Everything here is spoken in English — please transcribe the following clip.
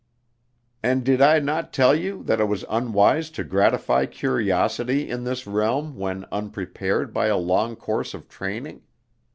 "And did I not tell you that it was unwise to gratify curiosity in this realm when unprepared by a long course of training?